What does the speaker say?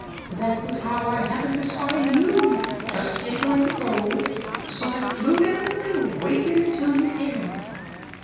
That was how I happened to spy you, just entering the grove; so I flew down and waited until you came out."